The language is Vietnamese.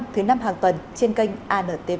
thứ năm hàng tuần trên kênh antv